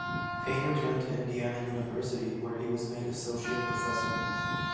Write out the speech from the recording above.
Payne returned to Indiana University where he was made associate professor.